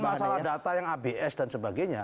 masalah data yang abs dan sebagainya